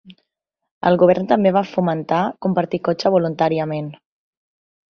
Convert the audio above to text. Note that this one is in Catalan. El govern també va fomentar compartir cotxe voluntàriament.